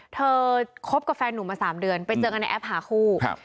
คบกับแฟนหนุ่มมา๓เดือนไปเจอกันในแอปหาคู่ครับ